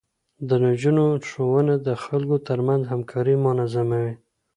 د نجونو ښوونه د خلکو ترمنځ همکاري منظموي.